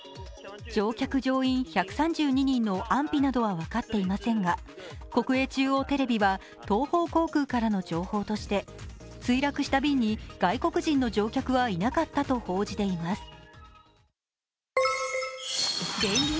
乗員・乗客１３２人の安否などは分かっていませんが国営中央テレビは、東方航空からの情報として墜落した便に外国人の乗客はいなかったと報じています。